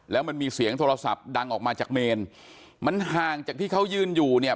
แล้วมันมีเสียงโทรศัพท์ดังออกมาจากเมนมันห่างจากที่เขายืนอยู่เนี่ย